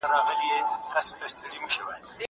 زه مخکي مړۍ خوړلي وه!؟